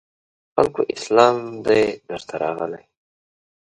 خلکو اسلام دی درته راغلی